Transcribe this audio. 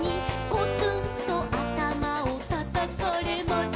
「コツンとあたまをたたかれます」